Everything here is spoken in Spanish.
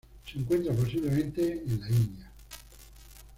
Se encuentra posiblemente en la India.